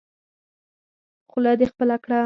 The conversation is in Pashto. خوله دې خپله کړه.